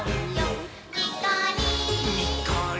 「にっこり」